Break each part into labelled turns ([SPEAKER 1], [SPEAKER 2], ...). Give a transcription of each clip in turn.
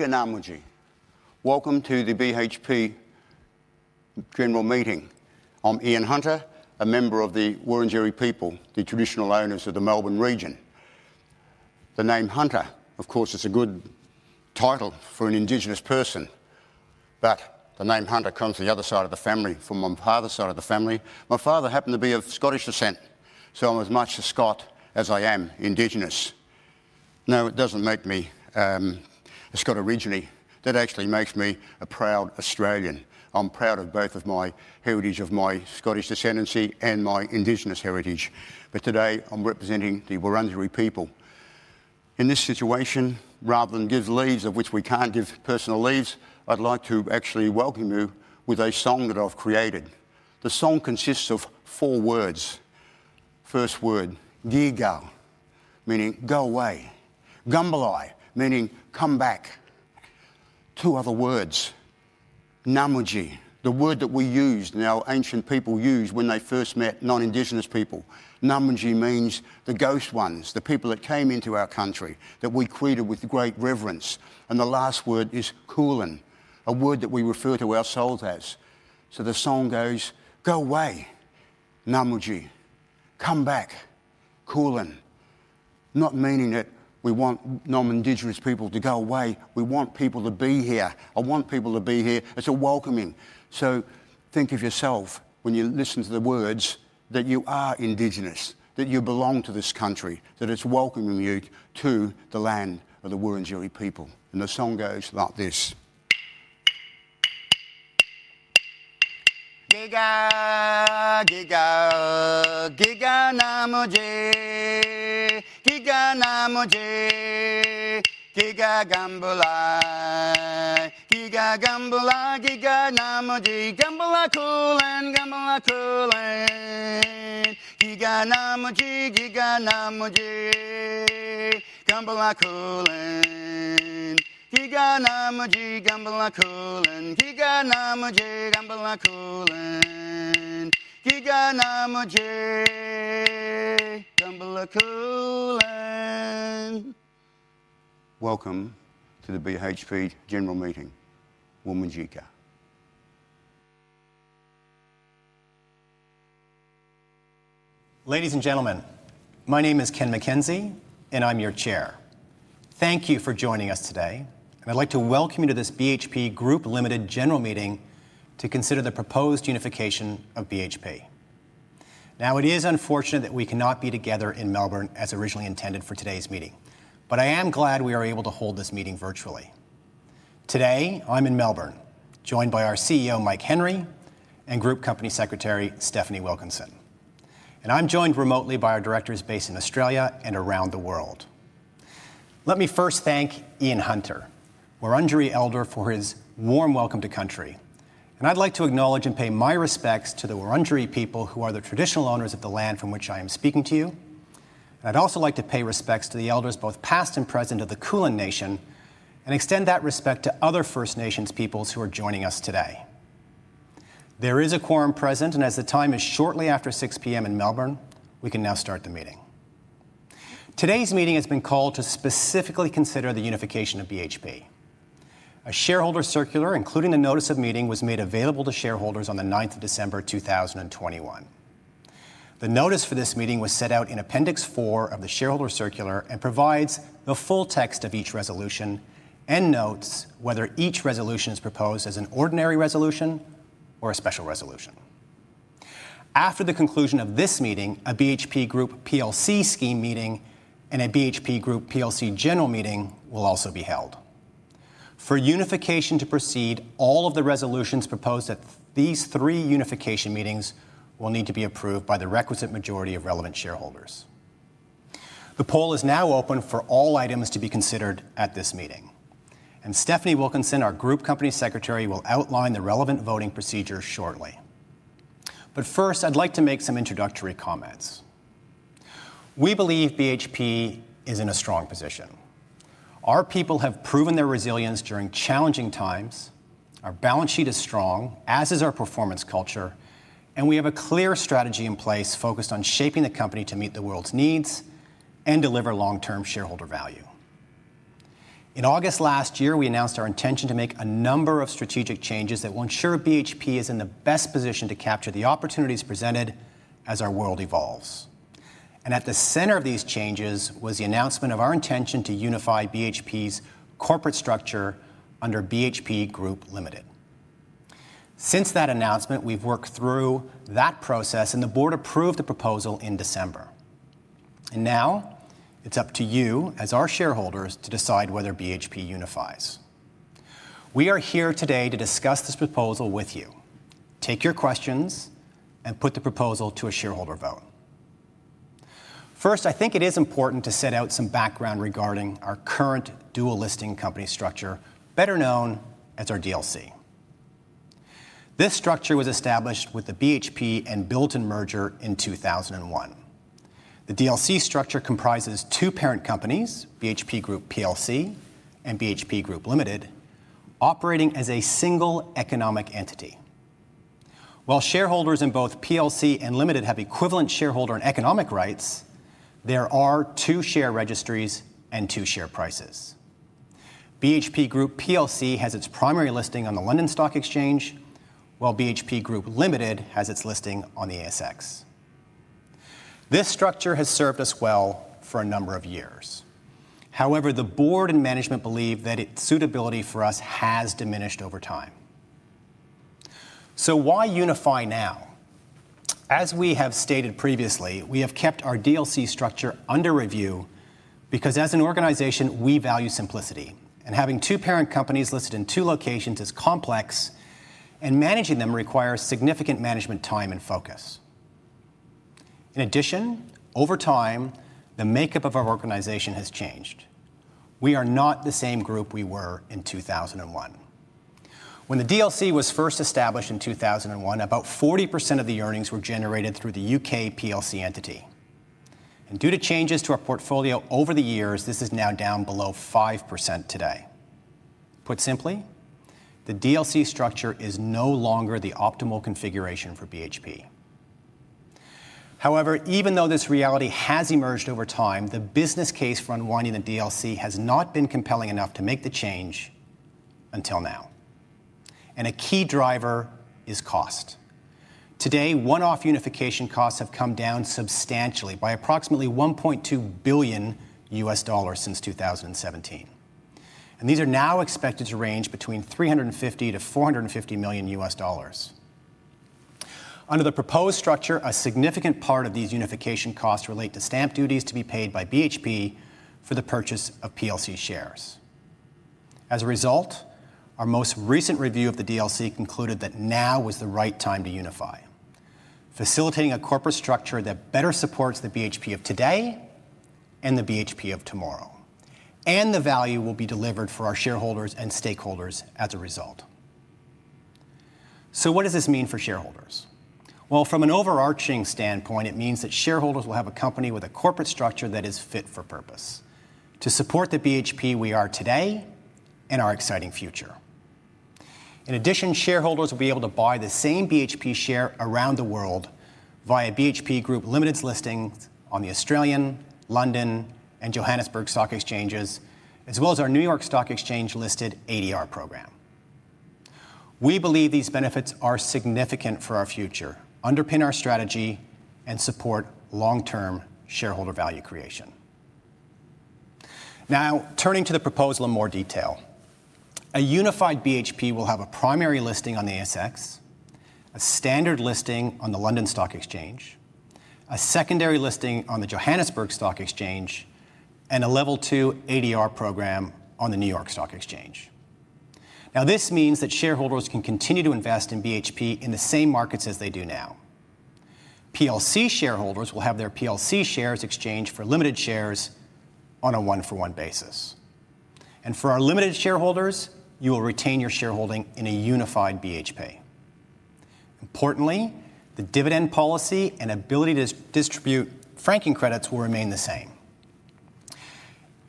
[SPEAKER 1] Welcome to the BHP general meeting. I'm Ian Hunter, a member of the Wurundjeri people, the traditional owners of the Melbourne region. The name Hunter, of course, is a good title for an indigenous person, but the name Hunter comes, from my father's side of the family. My father happened to be of Scottish descent, so I'm as much a Scot as I am indigenous. No, it doesn't make me a Scot originally. That actually makes me a proud Australian. I'm proud of both of my heritage, of my Scottish descent and my indigenous heritage, but today I'm representing the Wurundjeri people. In this situation, rather than give leads of which we can't give personal leads, I'd like to actually welcome you with a song that I've created. The song consists of four words. First word, gii ga, meaning go away. Gumbalai, meaning come back. Two other words. Namuji, the word that we used and our ancient people used when they first met non-indigenous people. Namuji means the ghost ones, the people that came into our country, that we greeted with great reverence. The last word is kulin, a word that we refer to our souls as. The song goes, go away, namuji. Come back, kulin. Not meaning that we want non-indigenous people to go away. We want people to be here. I want people to be here. It's a welcoming. Think of yourself when you listen to the words that you are indigenous, that you belong to this country, that it's welcoming you to the land of the Wurundjeri people. The song goes like this. Gii ga, gii ga, gii ga namuji. Gii ga namuji. Gii ga gumbalai. Gii ga gumbalai, gii ga namuji. Gumbalai kulin, gumbalai kulin. Gii ga namuji, gii ga namuji. Gumbalai kulin. Gii ga namuji, gumbalai kulin. Gii ga namuji, gumbalai kulin. Gii ga namuji. Gumbalai kulin. Welcome to the BHP general meeting.
[SPEAKER 2] Ladies and gentlemen, my name is Ken MacKenzie, and I'm your Chair. Thank you for joining us today, and I'd like to welcome you to this BHP Group Limited general meeting to consider the proposed unification of BHP. Now, it is unfortunate that we cannot be together in Melbourne as originally intended for today's meeting. I am glad we are able to hold this meeting virtually. Today, I'm in Melbourne, joined by our CEO, Mike Henry, and Group Company Secretary, Stefanie Wilkinson. I'm joined remotely by our directors based in Australia and around the world. Let me first thank Ian Hunter, Wurundjeri Elder, for his warm welcome to country. I'd like to acknowledge and pay my respects to the Wurundjeri people who are the traditional owners of the land from which I am speaking to you. I'd also like to pay respects to the elders, both past and present, of the Kulin nation and extend that respect to other First Nations peoples who are joining us today. There is a quorum present, and as the time is shortly after 6 P.M. in Melbourne, we can now start the meeting. Today's meeting has been called to specifically consider the unification of BHP. A shareholder circular, including the notice of meeting, was made available to shareholders on the 9th of December 2021. The notice for this meeting was set out in appendix four of the shareholder circular and provides the full text of each resolution and notes whether each resolution is proposed as an ordinary resolution or a special resolution. After the conclusion of this meeting, a BHP Group Plc scheme meeting and a BHP Group Plc general meeting will also be held. For unification to proceed, all of the resolutions proposed at these three unification meetings will need to be approved by the requisite majority of relevant shareholders. The poll is now open for all items to be considered at this meeting, and Stefanie Wilkinson, our Group Company Secretary, will outline the relevant voting procedure shortly. First, I'd like to make some introductory comments. We believe BHP is in a strong position. Our people have proven their resilience during challenging times. Our balance sheet is strong, as is our performance culture, and we have a clear strategy in place focused on shaping the company to meet the world's needs and deliver long-term shareholder value. In August last year, we announced our intention to make a number of strategic changes that will ensure BHP is in the best position to capture the opportunities presented as our world evolves. At the center of these changes was the announcement of our intention to unify BHP's corporate structure under BHP Group Limited. Since that announcement, we've worked through that process, and the board approved the proposal in December. Now it's up to you, as our shareholders, to decide whether BHP unifies. We are here today to discuss this proposal with you, take your questions, and put the proposal to a shareholder vote. First, I think it is important to set out some background regarding our current dual listing company structure, better known as our DLC. This structure was established with the BHP and Billiton merger in 2001. The DLC structure comprises two parent companies, BHP Group Plc and BHP Group Limited, operating as a single economic entity. While shareholders in both Plc and Limited have equivalent shareholder and economic rights, there are two share registries and two share prices. BHP Group Plc has its primary listing on the London Stock Exchange, while BHP Group Limited has its listing on the ASX. This structure has served us well for a number of years. However, the board and management believe that its suitability for us has diminished over time. Why unify now? As we have stated previously, we have kept our DLC structure under review because as an organization, we value simplicity, and having two parent companies listed in two locations is complex, and managing them requires significant management time and focus. In addition, over time, the makeup of our organization has changed. We are not the same group we were in 2001. When the DLC was first established in 2001, about 40% of the earnings were generated through the UK Plc entity. Due to changes to our portfolio over the years, this is now down below 5% today. Put simply, the DLC structure is no longer the optimal configuration for BHP. However, even though this reality has emerged over time, the business case for unwinding the DLC has not been compelling enough to make the change until now. A key driver is cost. Today, one-off unification costs have come down substantially by approximately $1.2 billion since 2017. These are now expected to range between $350 million-$450 million. Under the proposed structure, a significant part of these unification costs relate to stamp duties to be paid by BHP for the purchase of PLC shares. As a result, our most recent review of the DLC concluded that now was the right time to unify, facilitating a corporate structure that better supports the BHP of today and the BHP of tomorrow. The value will be delivered for our shareholders and stakeholders as a result. What does this mean for shareholders? Well, from an overarching standpoint, it means that shareholders will have a company with a corporate structure that is fit for purpose to support the BHP we are today and our exciting future. In addition, shareholders will be able to buy the same BHP share around the world via BHP Group Limited's listings on the Australian, London, and Johannesburg Stock Exchanges, as well as our New York Stock Exchange-listed ADR program. We believe these benefits are significant for our future, underpin our strategy, and support long-term shareholder value creation. Now, turning to the proposal in more detail. A unified BHP will have a primary listing on the ASX, a standard listing on the London Stock Exchange, a secondary listing on the Johannesburg Stock Exchange, and a Level two ADR program on the New York Stock Exchange. Now, this means that shareholders can continue to invest in BHP in the same markets as they do now. PLC shareholders will have their PLC shares exchanged for limited shares on a one-for-one basis. For our Limited Shareholders, you will retain your shareholding in a unified BHP. Importantly, the dividend policy and ability to distribute franking credits will remain the same.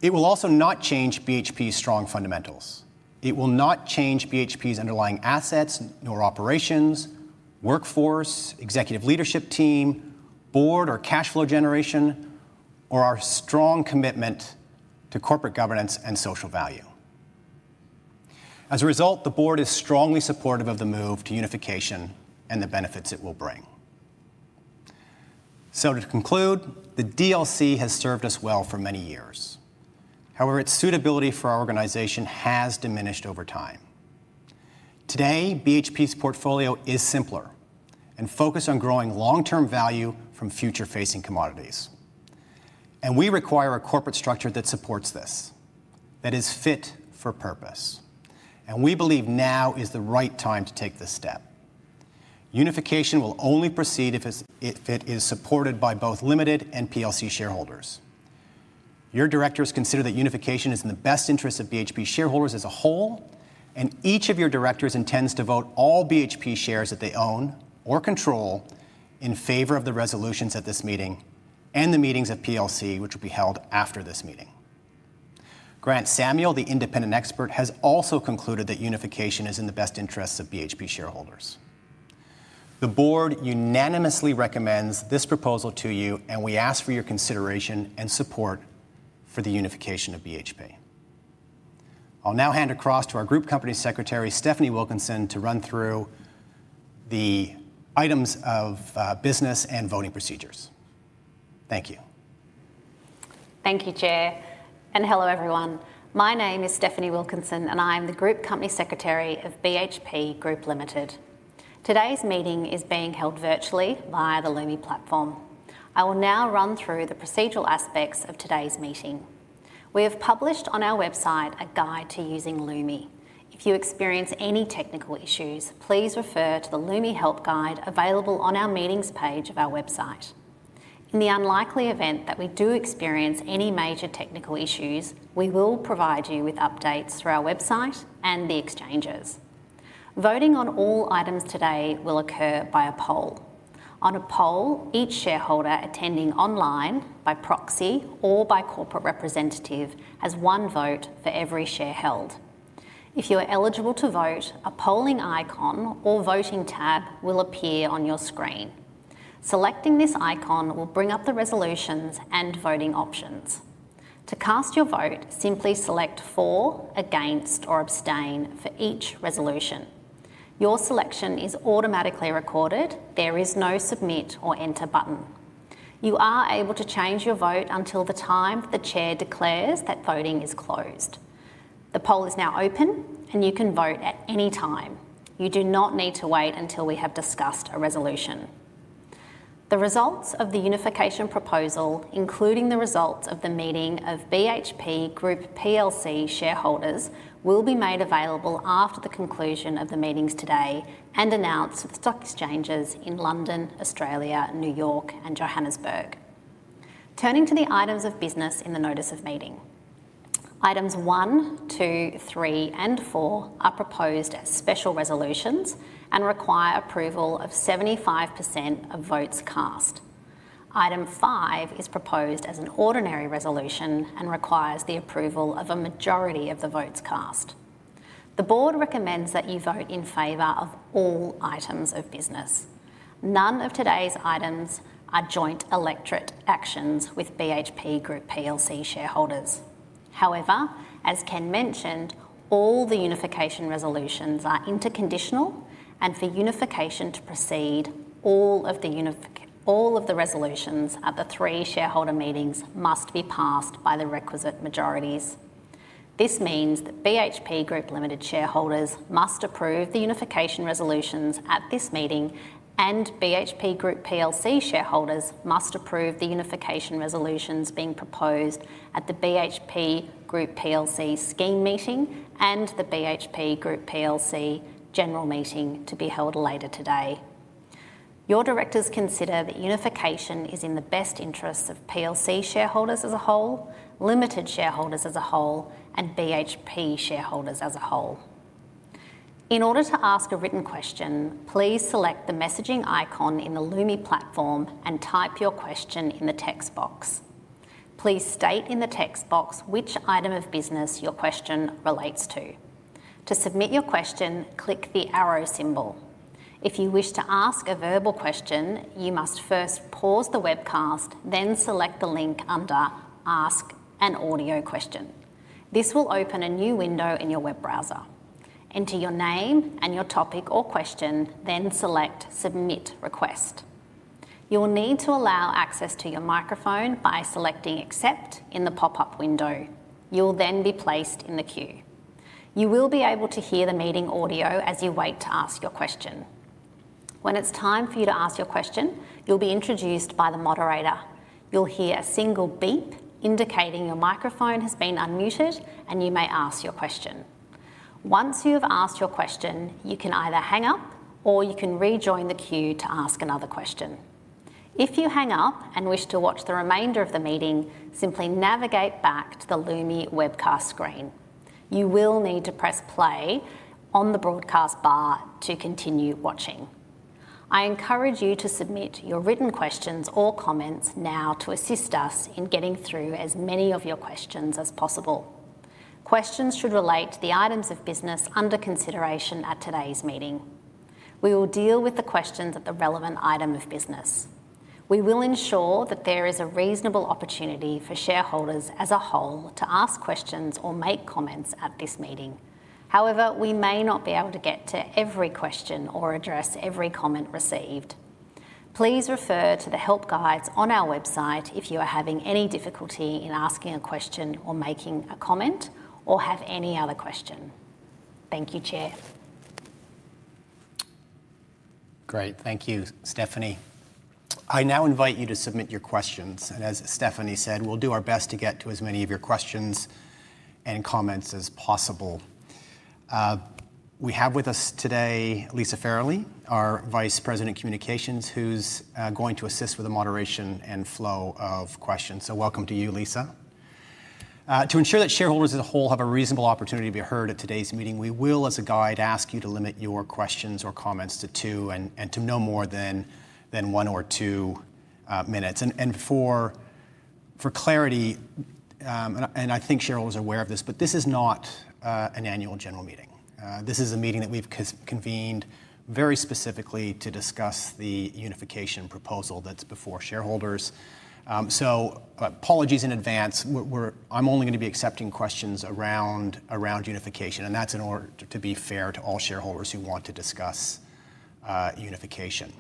[SPEAKER 2] It will also not change BHP's strong fundamentals. It will not change BHP's underlying assets nor operations, workforce, executive leadership team, board or cash flow generation, or our strong commitment to corporate governance and social value. As a result, the board is strongly supportive of the move to unification and the benefits it will bring. To conclude, the DLC has served us well for many years. However, its suitability for our organization has diminished over time. Today, BHP's portfolio is simpler and focused on growing long-term value from future-facing commodities. We require a corporate structure that supports this, that is fit for purpose. We believe now is the right time to take this step. Unification will only proceed if it is supported by both Limited and PLC shareholders. Your directors consider that unification is in the best interest of BHP shareholders as a whole, and each of your directors intends to vote all BHP shares that they own or control in favor of the resolutions at this meeting and the meetings at PLC, which will be held after this meeting. Grant Samuel, the independent expert, has also concluded that unification is in the best interests of BHP shareholders. The board unanimously recommends this proposal to you, and we ask for your consideration and support for the unification of BHP. I'll now hand across to our Group Company Secretary, Stefanie Wilkinson, to run through the items of business and voting procedures. Thank you.
[SPEAKER 3] Thank you, Chair, and hello, everyone. My name is Stefanie Wilkinson, and I am the Group Company Secretary of BHP Group Limited. Today's meeting is being held virtually via the Lumi platform. I will now run through the procedural aspects of today's meeting. We have published on our website a guide to using Lumi. If you experience any technical issues, please refer to the Lumi help guide available on our Meetings page of our website. In the unlikely event that we do experience any major technical issues, we will provide you with updates through our website and the exchanges. Voting on all items today will occur by a poll. On a poll, each shareholder attending online by proxy or by corporate representative has one vote for every share held. If you are eligible to vote, a polling icon or voting tab will appear on your screen. Selecting this icon will bring up the resolutions and voting options. To cast your vote, simply select For, Against, or Abstain for each resolution. Your selection is automatically recorded. There is no Submit or Enter button. You are able to change your vote until the time the chair declares that voting is closed. The poll is now open, and you can vote at any time. You do not need to wait until we have discussed a resolution. The results of the unification proposal, including the results of the meeting of BHP Group Plc shareholders, will be made available after the conclusion of the meetings today and announced to stock exchanges in London, Australia, NY and Johannesburg. Turning to the items of business in the notice of meeting. Items one, two, three, and four are proposed as special resolutions and require approval of 75% of votes cast. Item five is proposed as an ordinary resolution and requires the approval of a majority of the votes cast. The board recommends that you vote in favor of all items of business. None of today's items are joint electorate actions with BHP Group Plc shareholders. However, as Ken mentioned, all the unification resolutions are interconditional, and for unification to proceed, all of the resolutions at the three shareholder meetings must be passed by the requisite majorities. This means that BHP Group Limited Shareholders must approve the unification resolutions at this meeting, and BHP Group Plc shareholders must approve the unification resolutions being proposed at the BHP Group Plc scheme meeting and the BHP Group Plc general meeting to be held later today. Your directors consider that unification is in the best interests of Plc shareholders as a whole, Limited Shareholders as a whole, and BHP shareholders as a whole. In order to ask a written question, please select the messaging icon in the Lumi platform and type your question in the text box. Please state in the text box which item of business your question relates to. To submit your question, click the arrow symbol. If you wish to ask a verbal question, you must first pause the webcast, then select the link under Ask an Audio Question. This will open a new window in your web browser. Enter your name and your topic or question, then select Submit Request. You will need to allow access to your microphone by selecting Accept in the pop-up window. You'll then be placed in the queue. You will be able to hear the meeting audio as you wait to ask your question. When it's time for you to ask your question, you'll be introduced by the moderator. You'll hear a single beep indicating your microphone has been unmuted, and you may ask your question. Once you have asked your question, you can either hang up or you can rejoin the queue to ask another question. If you hang up and wish to watch the remainder of the meeting, simply navigate back to the Lumi webcast screen. You will need to press Play on the broadcast bar to continue watching. I encourage you to submit your written questions or comments now to assist us in getting through as many of your questions as possible. Questions should relate to the items of business under consideration at today's meeting. We will deal with the questions at the relevant item of business. We will ensure that there is a reasonable opportunity for shareholders as a whole to ask questions or make comments at this meeting. However, we may not be able to get to every question or address every comment received. Please refer to the help guides on our website if you are having any difficulty in asking a question or making a comment or have any other question. Thank you, Chair.
[SPEAKER 2] Great. Thank you, Stefanie. I now invite you to submit your questions. As Stefanie said, we'll do our best to get to as many of your questions and comments as possible. We have with us today Lisa Farrelly, our Vice President of Communications, who's going to assist with the moderation and flow of questions. Welcome to you, Lisa. To ensure that shareholders as a whole have a reasonable opportunity to be heard at today's meeting, we will, as a guide, ask you to limit your questions or comments to two and to no more than one or two minutes. For clarity, I think Cheryl was aware of this, but this is not an annual general meeting. This is a meeting that we've convened very specifically to discuss the unification proposal that's before shareholders. Apologies in advance. We're I'm only gonna be accepting questions around unification, and that's in order to be fair to all shareholders who want to discuss unification.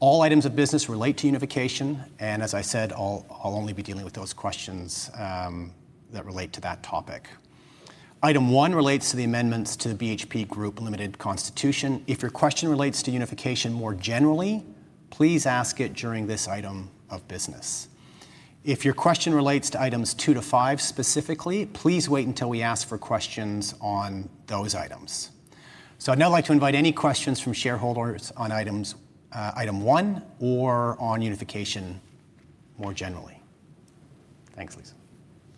[SPEAKER 2] All items of business relate to unification, and as I said, I'll only be dealing with those questions that relate to that topic. Item one relates to the amendments to the BHP Group Limited Constitution. If your question relates to unification more generally, please ask it during this item of business. If your question relates to items two- five specifically, please wait until we ask for questions on those items. I'd now like to invite any questions from shareholders on item one or on unification more generally. Thanks, Lisa.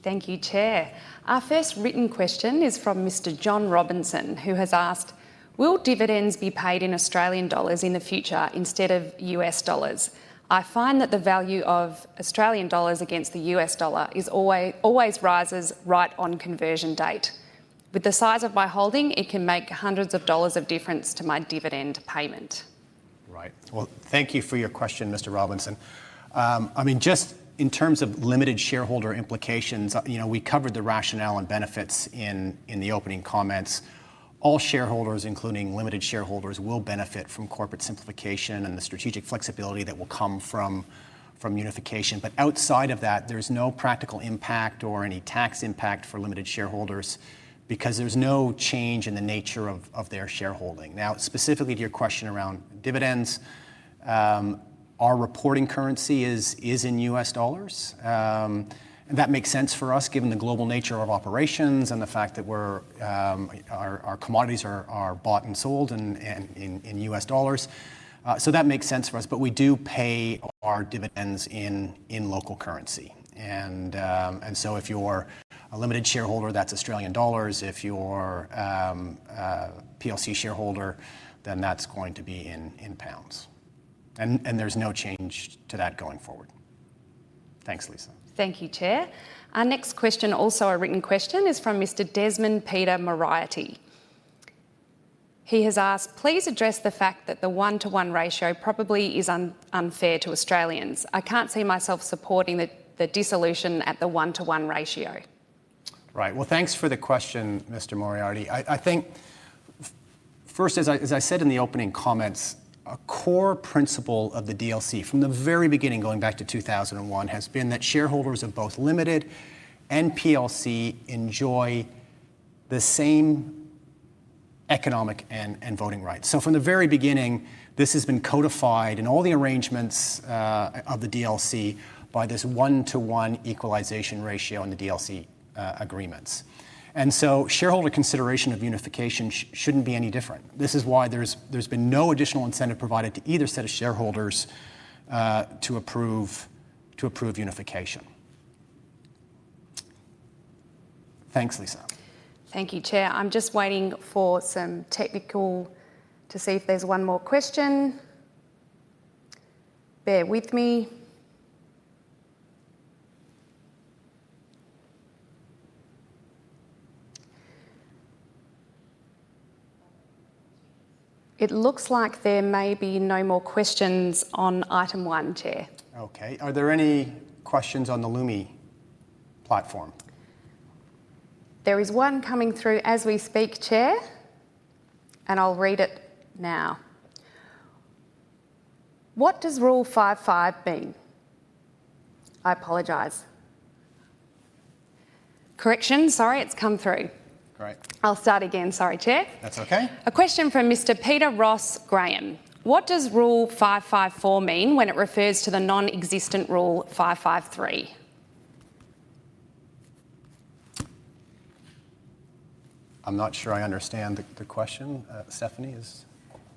[SPEAKER 4] Thank you, Chair. Our first written question is from Mr. John Robinson, who has asked, "Will dividends be paid in Australian dollars in the future instead of U.S. dollars? I find that the value of Australian dollars against the U.S. dollar is always rises right on conversion date. With the size of my holding, it can make hundreds of dollars of difference to my dividend payment.
[SPEAKER 2] Right. Well, thank you for your question, Mr. Robinson. I mean, just in terms of Limited shareholder implications, you know, we covered the rationale and benefits in the opening comments. All shareholders, including Limited Shareholders, will benefit from corporate simplification and the strategic flexibility that will come from unification. Outside of that, there's no practical impact or any tax impact for Limited Shareholders because there's no change in the nature of their shareholding. Now, specifically to your question around dividends, our reporting currency is in U.S. dollars. That makes sense for us given the global nature of operations and the fact that our commodities are bought and sold in U.S. dollars. That makes sense for us. We do pay our dividends in local currency. If you're a Limited shareholder, that's Australian dollars. If you're a Plc shareholder, then that's going to be in pounds. There's no change to that going forward. Thanks, Lisa.
[SPEAKER 4] Thank you, Chair. Our next question, also a written question, is from Mr. Desmond Peter Moriarty. He has asked, "Please address the fact that the one-to-one ratio probably is unfair to Australians. I can't see myself supporting the dissolution at the one-to-one ratio.
[SPEAKER 2] Right. Well, thanks for the question, Mr. Moriarty. I think first, as I said in the opening comments, a core principle of the DLC from the very beginning, going back to 2001, has been that shareholders of both Limited and PLC enjoy the same economic and voting rights. From the very beginning, this has been codified in all the arrangements of the DLC by this one-to-one equalization ratio in the DLC agreements. Shareholder consideration of unification shouldn't be any different. This is why there's been no additional incentive provided to either set of shareholders to approve unification. Thanks, Lisa.
[SPEAKER 4] Thank you, Chair. I'm just waiting for some technical to see if there's one more question. Bear with me. It looks like there may be no more questions on item one, Chair.
[SPEAKER 2] Okay. Are there any questions on the Lumi platform?
[SPEAKER 4] There is one coming through as we speak, Chair. I'll read it now. "What does rule 55 mean?" I apologize. Correction. Sorry, it's come through.
[SPEAKER 2] Great.
[SPEAKER 4] I'll start again. Sorry, Chair.
[SPEAKER 2] That's okay.
[SPEAKER 4] A question from Mr. Peter Ross Graham. "What does rule 554 mean when it refers to the nonexistent rule 553?
[SPEAKER 2] I'm not sure I understand the question. Stefanie, is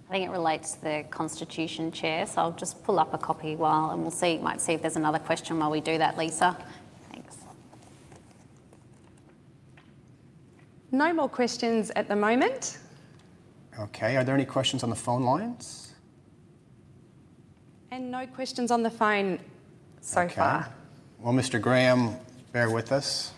[SPEAKER 3] I think it relates to the constitution, Chair. I'll just pull up a copy while, and we'll see, might see if there's another question while we do that, Lisa. Thanks.
[SPEAKER 4] No more questions at the moment.
[SPEAKER 2] Okay. Are there any questions on the phone lines?
[SPEAKER 4] No questions on the phone so far.
[SPEAKER 2] Okay. Well, Mr. Graham, bear with us.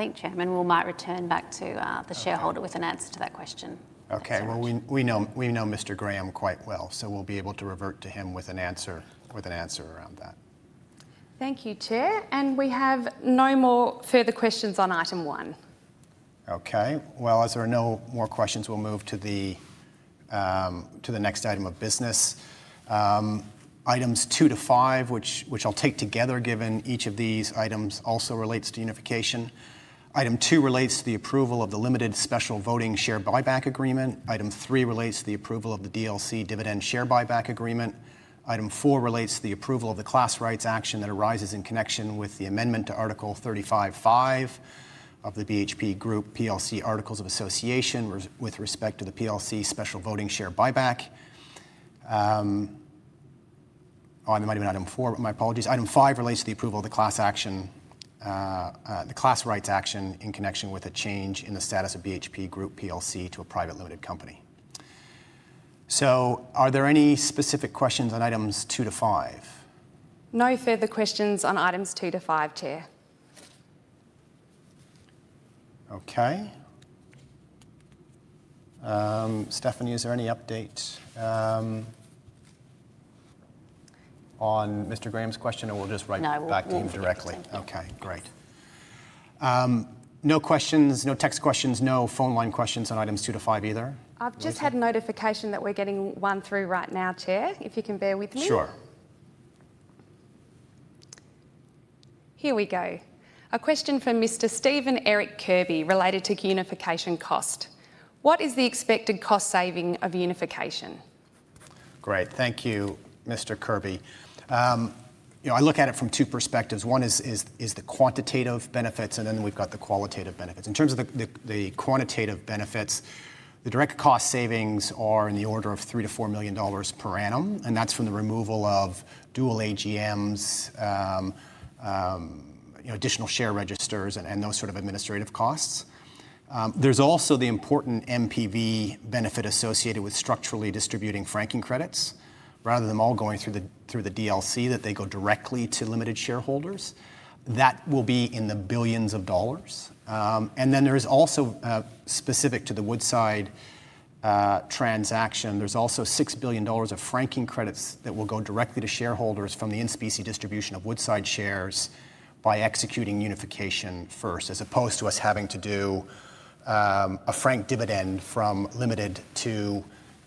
[SPEAKER 3] I think, Chairman, we might return back to the shareholder with an answer to that question.
[SPEAKER 2] Okay. Well, we know Mr. Graham quite well, so we'll be able to revert to him with an answer around that.
[SPEAKER 4] Thank you, Chair. We have no more further questions on item one.
[SPEAKER 2] Okay. Well, as there are no more questions, we'll move to the next item of business. Items two-five, which I'll take together given each of these items also relates to unification. Item two relates to the approval of the limited special voting share buyback agreement. Item three relates to the approval of the DLC dividend share buyback agreement. Item four relates to the approval of the class rights action that arises in connection with the amendment to Article 355 of the BHP Group Plc articles of association with respect to the Plc special voting share buyback. It might have been item four. My apologies. Item five relates to the approval of the class rights action in connection with the change in the status of BHP Group Plc to a private limited company. Are there any specific questions on items two to five?
[SPEAKER 4] No further questions on items two-five, Chair.
[SPEAKER 2] Okay. Stefanie, is there any update on Mr. Graham's question, and we'll just write back to him directly.
[SPEAKER 4] No, we'll get this into.
[SPEAKER 2] Okay, great. No questions, no text questions, no phone line questions on items two-five either?
[SPEAKER 4] I've just had notification that we're getting one through right now, Chair, if you can bear with me.
[SPEAKER 2] Sure.
[SPEAKER 4] Here we go. A question from Mr. Stephen Eric Kirby related to unification cost. What is the expected cost saving of unification?
[SPEAKER 2] Great. Thank you, Mr. Kirby. You know, I look at it from two perspectives. One is the quantitative benefits, and then we've got the qualitative benefits. In terms of the quantitative benefits, the direct cost savings are in the order of $3 million-$4 million per annum, and that's from the removal of dual AGMs, you know, additional share registers and those sort of administrative costs. There's also the important NPV benefit associated with structurally distributing franking credits rather than them all going through the DLC, that they go directly to Limited Shareholders. That will be in the billions of dollars. There is also specific to the Woodside transaction, there's also $6 billion of franking credits that will go directly to shareholders from the in specie distribution of Woodside shares by executing unification first, as opposed to us having to do a franked dividend from limited to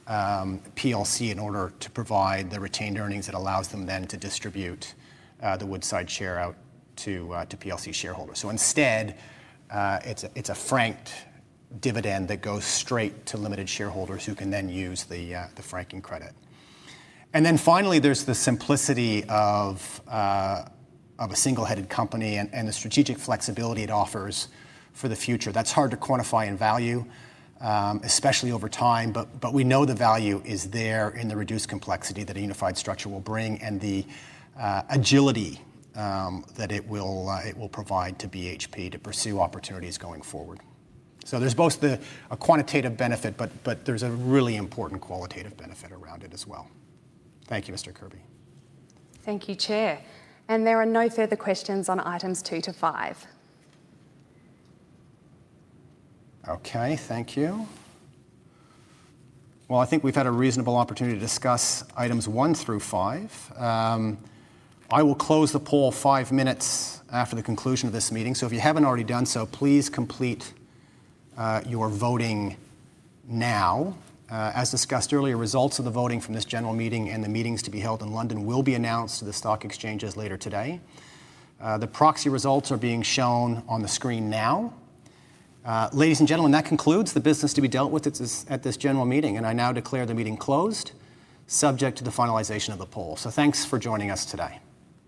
[SPEAKER 2] PLC in order to provide the retained earnings that allows them then to distribute the Woodside shares out to PLC shareholders. Instead, it's a franked dividend that goes straight to Limited Shareholders who can then use the franking credit. Finally, there's the simplicity of a single-headed company and the strategic flexibility it offers for the future. That's hard to quantify and value, especially over time, but we know the value is there in the reduced complexity that a unified structure will bring and the agility that it will provide to BHP to pursue opportunities going forward. So there's both the quantitative benefit, but there's a really important qualitative benefit around it as well. Thank you, Mr. Kirby.
[SPEAKER 4] Thank you, Chair. There are no further questions on items two-five.
[SPEAKER 2] Okay, thank you. Well, I think we've had a reasonable opportunity to discuss items one through five. I will close the poll five minutes after the conclusion of this meeting, so if you haven't already done so, please complete your voting now. As discussed earlier, results of the voting from this general meeting and the meetings to be held in London will be announced to the stock exchanges later today. The proxy results are being shown on the screen now. Ladies and gentlemen, that concludes the business to be dealt with at this general meeting, and I now declare the meeting closed subject to the finalization of the poll. Thanks for joining us today.